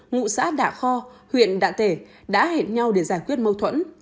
ngụ xã đạ kho huyện đạ tể đã hẹn nhau để giải quyết mâu thuẫn